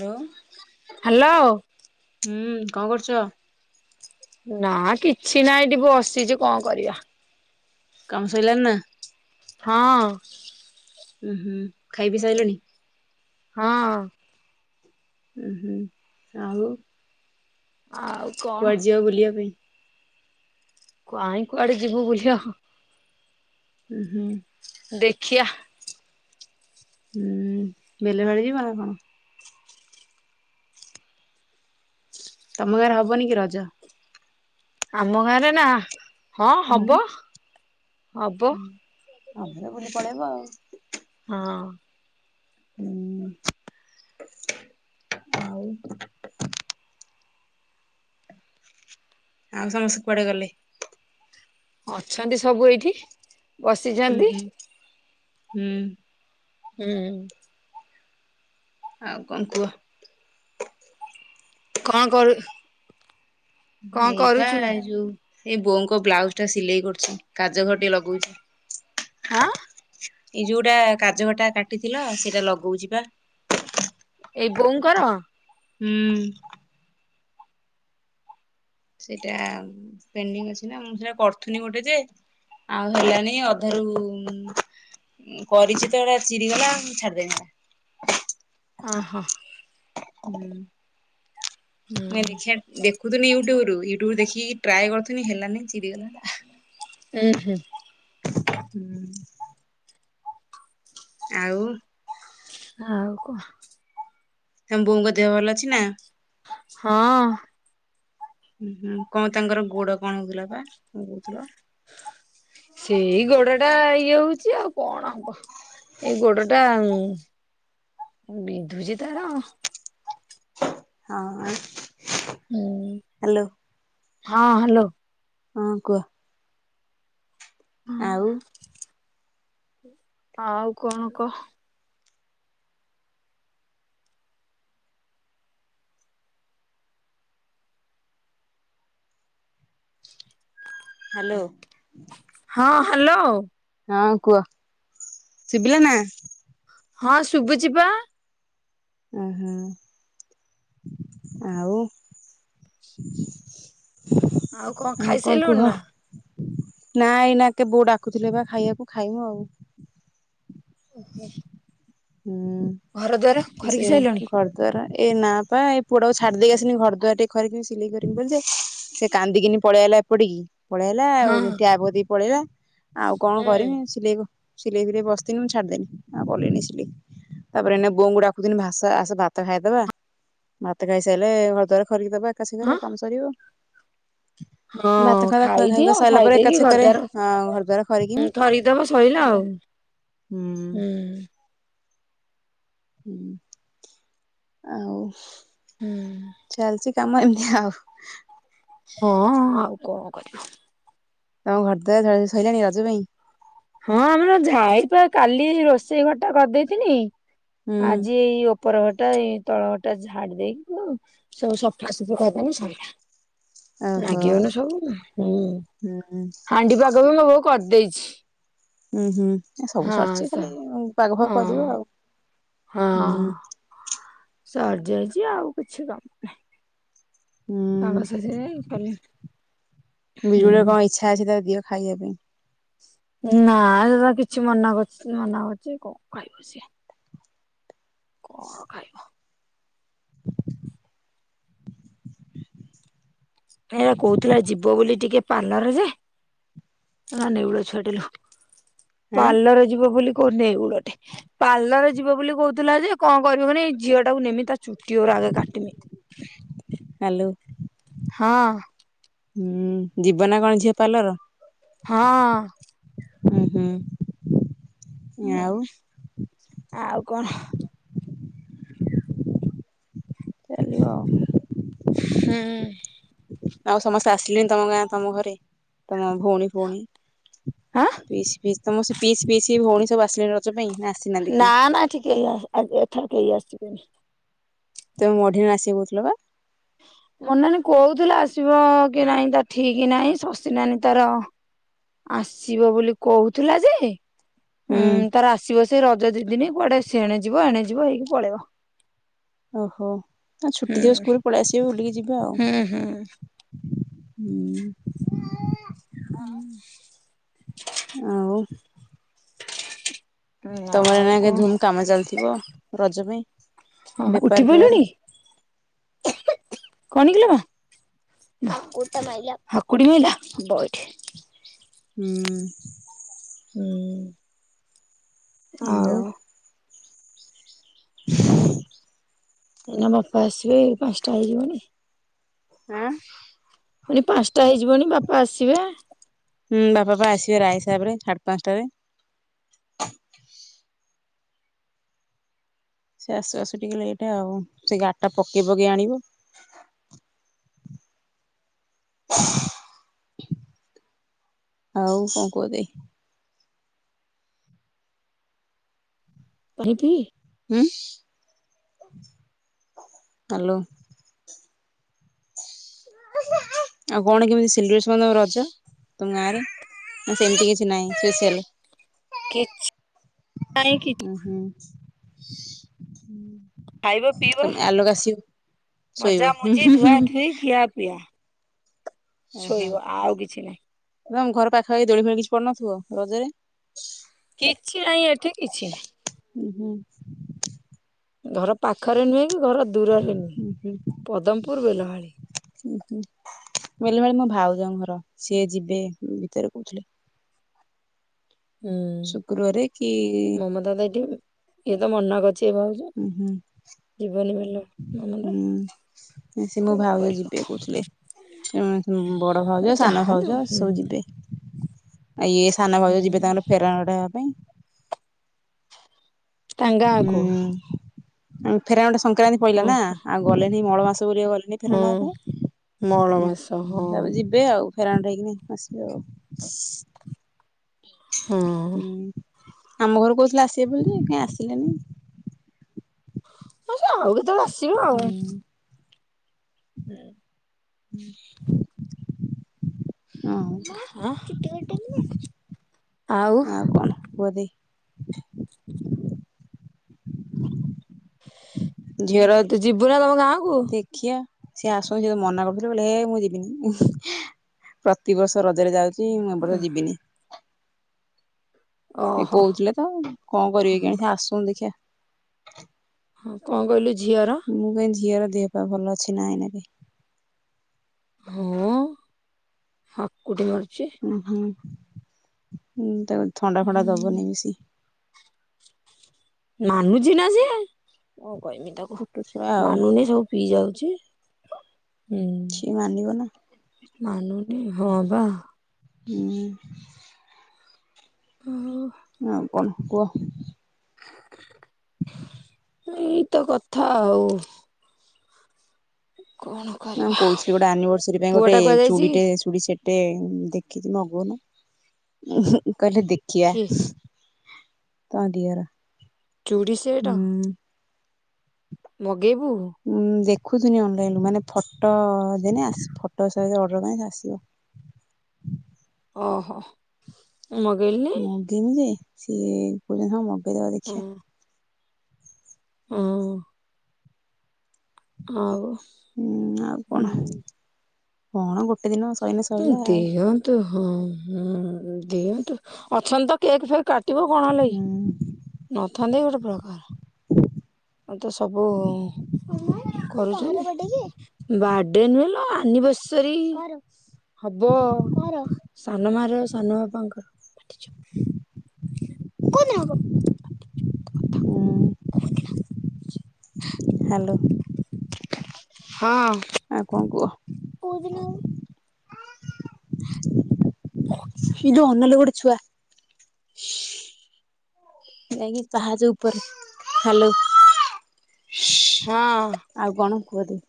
Hello. Hello. ହୁଁ କଣ କରୁଛ? ନା କିଛି ନାହିଁ ଏଠି ବସିଛି କଣ କରିବା। କାମ ଶଇଲଣି ନା? ହଁ। ଉୁଁ ହୁଁ ଖାଇ ବିି ସାରିଲଣି। ହଁ। ଉଁ- ହୁଁ ଆଉ ଆଉ କଣ କୁଆଡେ ଯିବା ବୁଲିବା ପାଇଁ? କାହିଁ କୁଆଡେ ଯିବୁ ବୁଲି ଆଉ। ଉଁ- ହୁଁ। ଦେଖିଆ। ହୁଁ [unintelligible] ଯିବ ନା କଣ? ତମ ଗାଁରେ ହବନି କି ରଜ? ଆମ ଗାଁରେ ନା। ହଁ ହୁଁ ହବ ହବ ହଁ ଆମର ବୁଲି ପଳେଇବ ଆଉ। ହଁ। ହୁଁ ଆଉ ଆଉ ସମସ୍ତେ କୁଆଡେ ଗଲେ? ଅଛନ୍ତି ସବୁ ଏଇଠି। ଉଁ- ବସିଛନ୍ତି ହୁଁ- ହୁଁ। ହୁଁ। ଆଉ କଣ୍ କୁହ? କଣ୍ କରୁ? କଣ ଏଇପା କରୁଛୁ ଯଉ ଏଇ ବୋଉଙ୍କ ବ୍ଲାଉଜ୍ ଟା ସିଲେଇ କରୁଚି କାଜ ଘର ଟିକେ ଲଗଉଚି। ଆଁ- ଏଇ ଯଉଟା କାଜଟା କାଟିଥିଲ ସେଇଟା ଲଗଉଚି ପା। ଏଇ ବୋଉଙ୍କର? ହୁଁ। ସେଇଟା ପେଣ୍ଡିଙ୍ଗ୍ ଅଛି ନା ମୁଁ ସେଟା କରୁଥିନି ଗୋଟେ ଯେ ଆଉ ହେଲାଣି ଅଧାରୁ କରିଚି ତ ଏଟା ଚିରିଗଲା ଛାଡିଦେଲି। ଓ-‌ ହଁ। ହୁଁ। ହୁଁ ନାଇଁ ଦେଖିବା ଦେଖୁଥିଲି ୟୁଟ୍ୟୁବୁରୁ ୟୁଟ୍ୟୁବ ଦେଖିକି ଟ୍ରାଏ କରୁଥିଲି ହେଲାନି ଚିରିଗଲା। ଉୁଁ ହୁଁ। ହୁଁ ଆଉ ଆଉ କଣ? ତମ ବୋଉଙ୍କ ଦେହ ଭଲ ଅଛି ନା? ହଁ। ହୁଁ ହ କଣ ତାଙ୍କର ଗୋଡ କଣ ହଉଥିଲା ପା କଣ କହୁଥିଲ? ସେଇ ଗୋଡଟା ଇଏ ହଉଚି ଆଉ। କଣ ହବ ଏଇ ଗୋଡ ଟା ଉଁ- ବିନ୍ଧୁଚି ତାର। ହଁ- [unintelligible] ହୁଁ- ହ୍ୟାଲୋ ହଁ ହାଲୋ। ହଁ କୁହ। ହଁ ଆଉ ଆଉ କଣ କହ୍। ହାଲୋ। ହଁ, ହାଲୋ। ହଁ, କୁହ ଶୁିବିଲା ନା? ହଁ ଶୁଭୁଛି ପା। ଉଁ ହୁଁ, ଆଉ? ଆଉ କଣ କୁହ? ନା ଏଇନାକେ ବୋଉ ଡାକୁଥିଲେ ବା ଖାଇବାକୁ ଖାଇମୁ ଆଉ। ଓହୋଃ। ହୁଁ ଖରିକି ସେ ସାରିଲଣି ଘର ଦ୍ବାର ଏ ନା ପା ଏ ପୁଅଟାକୁ ଛାଡି ଦେଇକି ଆସନି ଘର ଦ୍ଵାରା ଟିକେ ଖରିକିମି ସିଲେଇ କରିବି ବୋଲି ଯେ ସେ କାନ୍ଦିକିନି ପଳେଇ ଆଇଲା ଏପଟିକି। ପଳେଇଲା ଆଉ ହଁ ଟ୍ୟାପ କତିକି ପଳେଇଲା ଆଉ କଣ ହୁଁ। କରମି ସିଲେଇ କ ସିଲେଇ ବିଲେଇ ବସିଥିଲି ମୁଁ ଛାଡ଼ିଦେନି ଆଉ କଲିନି ସିଲେଇ। ତାପରେ ଏଇନେ ବୋଉଙ୍କୁ ଡାକୁଥିନି ଭାସ ଆସ ଭାତ ଖାଇଦବା। ଭାତ ଖାଇସାଇଲେ ଘରଦ୍ଵାର ଖରିକି ଦବା। ଏକା ସାଙ୍ଗରେ ହଁ କାମ ସରିବ। ଭାତ ହଁ ଖତା ଖାଇ ଖାଇଦିଅ ଖୁଆ ସାଇଲା ପରେ ଏକରେ ଖାଇଦେଇକି ସେକରେ ଘରଦ୍ୱାର ଘର ଦ୍ଵାରା ଖରିକିମି। ଥରିଦବ ସଇଲା ତାପରେ ଆଉ। ହୁଁ। ହୁଁ ଆଉ, ହୁଁ ଚାଲିଚି କାମ ଏମିତି ଆଉ। ହଁ, ଆଉ କଣ କରିବା। ତମ ଘର ଦ୍ଵାରା ଝଡାଝଡି ସଇଲାଣି ରଜ ପାଇଁ? ହଁ, ଆମର ଝାଇପ କାଲି ରୋଷେଇ ଘରଟା କରିଦେଇଥିନି। ହୁଁ ଆଜି ଏଇ ଉପ୍ ଉପର ଘରଟା ଏଇ ତଳ ଘରଟା ଝାଡି ଦେଇକିନି ସବୁ ସଫା ସୁଫି କରିଦେମି ସଇଲା। ଓହୋ ନାଗିବନି ସବୁ ହୁଁ, ହୁଁ ହାଣ୍ଡି ପାଗ ବି ମୋ ବୋଉ କରିଦେଇଛି। ଉଁ ହୁଁ ଏ ସବୁ ହଁ ସରିଛି ସ ଖାଲି ପାଗ ଫାଗ ହଁ କରିବ ଆଉ ହଁ ହୁଁ। ସରିଯାଇଛି ଆଉ କିଛି କାମ ନାହିଁ। କାମ ହୁଁ ସରିଯାଇ କାଲି ହୁଁ। ଯା ଅଛି ତାକୁ ଦିଅ ଖାଇବା ପାଇଁ। ନା ଏ କିଛି ମନା କରୁଛି ମନା କରୁଛି କଣ ଖାଇବ ସିଏ। କଣ ଖାଇବ? [inaudible] କହୁଥିଲା ଯିବ ବୋଲି ଟିକେ ପାର୍ଲର ଯେ ଅନା ନେଉଳ ଛୁଆଟେ ଲୋ, ଆଁ ପାର୍ଲର ଯିବ ବୋଲି, କୋଉ ନେଉଳଟେ। ପାର୍ଲର ଯିବ ବୋଲି କହୁଥିଲା ଯେ କଣ କରିବ ମାନେ ଏଇ ଝିଅଟାକୁ ନେମି ତା ଚୁଟି ଗୁରା ଆଗେ କାଟିମି। ହାଲୋ। ହଁ। ହୁଁ ଯିବ ନା କଣ ଝିଅ ପାର୍ଲର? ହଁ। ଉଁ ହୁଁ। ହୁଁ, ଆଉ ଆଉ କଣ? ଚାଲିବ ଆଉ। ହୁଁ। ଆଉ ସମସ୍ତେ ଆସିଲେଣି ତମ ଗାଁ ତମ ଘରେ ତମ ଭଉଣୀ ଫଉଣୀ? ହାଁ? ପିଇସ୍ ପିଇସ୍ ତମ ସେ ପିଇସ୍ ପିଇସି ଭଉଣୀ ସବୁ ଆସିଲଣି ରଜ ପାଇଁ? ନା ଆସି ନା ନା ଏଠିକ ଆ ଏଥର କେହି ଆସିବେନି। ତମେ [unintelligible] ଆସିିବ କହୁଥିଲ ବା? ବଡ ନାନୀ କହୁଥିଲା ଆସିବ କି ନାଇଁ ତା ଠିକି ନାଇଁ ଶସି ନାନୀ ତାର ଆସିବ ବୋଲି କହୁଥିଲା ଯେ ହୁଁ। ଉଁ ତାର ଆସିବ ସେଇ ରଜ ଦି ଦିନି କୁଆଡେ ସେଣେ ଯିବ ଏଣେଯିବ ହେଇକି ପଳେଇବ। ଓହୋ ଆ ଛୁଟି ହୁଁ ଥିବ ସ୍କୁଲ୍ ରେ ପଳେଇ ଆସିବେ ବୁଲିକି ଯିବେ ଆଉ। ହୁଁ ହୁଁ ହୁଁ। ହୁଁ। ଆଉ ତମର ଆଉ ଏନା କେ କଣ ଧୁମ୍ କାମ ଚାଲିଥିବ ରଜ ପାଇଁ? ଓହୋ ବେପାର ଉଠି ଫେପାର ପଇଲୁଣି? କଣ କିଲ? ହାକୁଟି ମାଇଲା ବ ଏଇଠି। ହୁଁ। ହୁଁ। ହଁ ଆଉ ଏନା ବାପା ଆସିବେ ପାଞ୍ଚା ହେଇଯିବନି। ଆଁ। ପୁଣି ପାଞ୍ଚଟା ହେଇଯିବନି ବାପା ଆସିବେ। ହୁଁ ବାପା ପା ଆସିବେ ରାଇ ସାହେବ ରେ ସାଢ଼େ ପାଞ୍ଚଟାରେ। ସେ ଆସୁ ଆସୁ ଟିକେ ଲେଟ୍ ଆଉ, ସେ ଗାଡିଟା ପକେଇ ପକେଇ ଆଣିବ। ଆଉ କଣ କୁହ ଦେଇ? ପରିପି ହୁଁ ହାଲୋ। ଆଉ କଣ କେମିତି ସେଲିବ୍ରେସନ ରଜ ତମ ଗାଁରେ? ସେମିତି କିଛି ନାହିଁ ସ୍ପେସିଆଲ୍। କିଛି କାହିଁକି ଉଁ ହୁଁ। ଖାଇବା ପିଇବ ତ ଆଲୋଗାସି ମଜାମୁଜି, ଧୁଆ ଧୁଇ, ଖିଆ ପିଆ ଓହୋ ଶୋଇବ ଆଉ କିଛି ନାହିଁ। ତମ ଘର ପାଖାପାଖି ଦୋଳି ଫୋଳି କିଛି ପଡି ନଥିବ ରଜରେ? କିଛି ନାହିଁ ଏଠି କିଛି ନାହିଁ। ଉଁ ହୁଁ। ଘର ପାଖରେ ନୁହେଁ କି ଘର ଦୂରରେ ହୁଁ ନୁହେଁ ପଦମପୁର୍ ବେଲବାହାଳି। ଉଁ ହୁଁ। ବେଲ ବାହାଳି ମୋ ଭାଉଜଙ୍କ ଘର ସିଏ ଯିବେ ଭିତରେ କହୁଥିଲେ। ହୁଁ ଶୁକ୍ରବାରେ କି ମମତା ତ ଏଠି ଇଏ ତ ମନା କରୁଛି ଏ ଭାଉଜ। ଉଁ ହୁଁ। ଜୀବନୀ ଭଲ। ହୁଁ ସେ ମୋ କଣ ଭାଉଜ କରିବ ଯିବେ କହୁଥିଲେ। ବଡ ଭାଉଜ ସାନ ଯାହାଲୋ ଭାଉଜ ହୁଁ ସବୁ ଯିବେ। ଆଉ ଇଏ ସାନ ଭାଉଜ ହୁଁ ଯିବେ ତାଙ୍କର ଫେରା ନୋଉଟା ହେବା ପାଇଁ। ତାଙ୍କ ଙ୍ଗାକୁ? ଫେରା ନୋଉଟା ସଂକ୍ରାନ୍ତି ପାଇଲା ଓ ନା ଆଉ ଗଲେନିଁ ମଳ ମାସ ବୋଲି ଆଉ ଗଲେନି। ନେ ଫେରା ହଁ ନବା ପାଇଁ, ମଳ ଉଁ ମାସ ହଁ ତାପ ଜି ଯିବେ ଆଉ ଫେରଣ ରଇକିନି ଆସିବେ ଆଉ [inaudible] ହଁ। ହୁଁ ଆମ ଘରୁକୁ କଉଥିଲେ ଆସିବେ ବୋଲି କାହିଁ ଆସିଲେନି। ହଉ ସେ ଆଉ କେତେବେଳେ ଆସିବେ ଆଉ। ହୁଁ ହୁଁ। [inaudible] ହଁ [inaudible] ଆଉ କଣ ପଦି [unintelligible] ଝିଅର ତୁ ଯିବୁ ନା ତମ ଗାଁକୁ ଧିକ୍ [inaudible] ଖିଆ ସିଏ ଆସନ୍ତୁ ସେ ତ ମନା କରୁଥିଲେ କଇଲେ ହେ ମୁଁ ଯିବିନି। ପ୍ରତି ବର୍ଷ ରଜରେ ଯାଉଛି ମୁଁ ଏ ବର୍ଷ ଯିବିନି। ସେ ଓହୋ। କହୁଥିଲେ ତ କଣ କରିବେ କେୟାଣି ସେ ଆସନ୍ତୁ ଦେଖିଆ। ହଁ କଂ କହିଲୁ ଝିଅର? ମୁଁ କଇଁ ଝିଅର ଦେହ ପା ଭଲ ଅଛି ନା ଏଇନାକେ। ହଁ ହାକୁଟି ମାରୁଛି। ଓହଁଁ ଉଁ ତାକୁ ଥଣ୍ଡା ଫଣ୍ଡା ହୁଁ ଦବନି ବେଶି। ମାନୁଚି ନା ସିଏ କଣ କହିବି ତାକୁ ଛୋଟ ଛୁଆ ଆଉ। ମାନୁନି ସବୁ ପିଇ ଯାଉଚି ହୁଁ। ଛି ମାନିବ ନା। ମାନୁନି ହଁ ବା। ହୁଁ। ହଁ ହଉ। ଆଉ କଣ କୁହ? [inaudible] ଏଇତ କଥା ଆଉ। କଣ? ନାଁ ମୁଁ କରିବା କହୁଥିଲି ଗୋଟେ ଆନିଭର୍ସରୀ ପାଇଁ ପୁଅ ଗୋଟେ ଟା କୁଆଡେ ଯାଇଛି ଚୁଡ଼ିଟେ ଚୁଡ଼ିସେଟ୍ ଟେ ଦେଖିଛି ମଗଉନ [inaudible] କହିଲେ ଦେଖିଆ। କି ତମ ଦିଅର। ଚୁଡ଼ି ସେଟ ହୁଁ। ମଗେଇବୁ। ଉଁ ଦେଖୁଥିନି ଅନଲାଇନରୁୁ ମାନେ ଫଟ ଦେନେ ଆସି ଫଟୋ ସହିତ ଅର୍ଡର କନେ ସେ ଆସିବ। ଓହୋ ମଗେଇଲୁନେଇ। କଇଥିନି ଯେ ସିଏ କହୁଛନ୍ତି ହଁ ମଗେଇଦବା ଦେଖିଆ। ଅ ହଁ। ଆଉ ହୁଁ ଆଉ କଣ ହୁଁ କଣ ଗୋଟେ ଦିନ ସ ହୁଁ ଦିଅନ୍ତୁ ହଁ ହଁ ଦିଅନ୍ତୁ ଅଛନ୍ତି ତ କେକ୍ ଫେକ୍ କା ଟିବ କଣ ହେଲା କି ହୁଁ ନଥାନ୍ତେ କି ଗୋଟେ ପ୍ରକାର। ଆଉ ତ ସବୁ କରୁଛୁ ବାଡେ ନୁହେ ଲ ଆନିଭର୍ସରୀ। ହବ ସାନ ମା ରେ ସାନ ବାପାଙ୍କର। [inaudible] ହୁଁ। ହ୍ୟାଲୋ। ହଁ। ଆଉ କଣ କୁହ? କଉଦିନ ହୋବୁ? ଇଲୋ ଅନାଲୋ ଗୋଟେ ଛୁଆ। ଯାଇକି ପାହାଚ ଉପରେ ହାଲୋ। ହଁ। ଆଉ କଣ କୁହତି?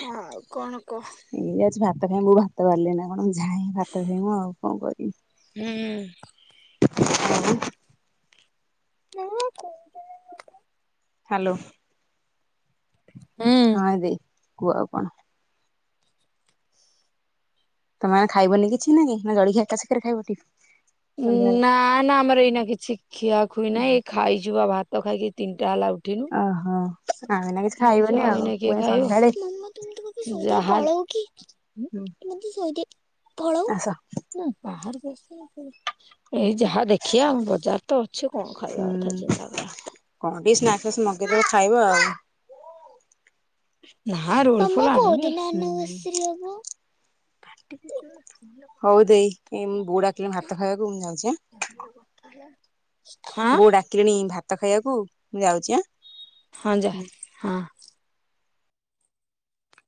ହଁ କଣ କହ? ଏଇ ଯାଉଚି ଭାତ ଖାଇ ମୁଁ ଭାତ ବାଢିଲେଣି ନା କଣ ମୁଁ ଯାଏ ଭାତ ଖାଇମୁ ଆଉ କଣ କରିମି। ହୁଁ। ଆଉ ମୁଁ। ହାଲୋ ହୁଁ। ହଁ ଦେଇ କୁହ ଆଉ କଣ? ତମେ ଆଉ ଖାଇବନି କିଛି ନାଇ କି ନା ଜଳିଖିଆ ଏକାସାଙ୍ଗରେ ଖାଇବ କି? ନା ନା ଆମର ଏଇନା କିଛି ଖିଆ ଖୁଇ ନାଇ। ଖାଇଚୁ ପା ଭାତ ଖାଇକି ତିନିଟା ହେଲା ଉଠିନୁ। ଓହୋ ଆମେ ନା କିଛି ଖାଇଛୁ ଖାଇବନି ଆଉ ଏଇନା କିଏ ପୁଣି ଖାଇବ ସନ୍ଧ୍ୟାଳେ ଯାହା। ହୁଁ। ଏ ଆସ ଯାହା ଦେଖେ। ଆଖିଆ ଆମ ବଜାର ତ ଅଛି କଣ ଖାଇବା କଥା ହୁଁ ଚିନ୍ତା କର। କଣ ଟିକେ ସ୍ନାକ୍ ସ ନଗେଇଦବ ଖାଇବ ଆଉ। ନା ହାରେଳା ହୁଁ ଫୋଳା। ହଉ ଦେଇ ଏ ମୋବୋଉ ଡାକିଲାଣି ଭାତ ଖାଇବାକୁ ମୁଁ ଯାଉଛି ଆଁ। ହଁ। କିଣି ଭାତ ଖାଇବାକୁ ମୁଁ ଯାଉଚି ଆଁ। ହଁ ଯା ହଁ।